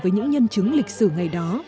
và những nhân chứng lịch sử ngày đó